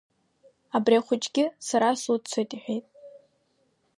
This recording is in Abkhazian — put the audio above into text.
Абри ахәыҷгьы сара суццоит иҳәеит.